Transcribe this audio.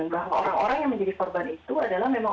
bahwa orang orang yang menjadi korban itu adalah memang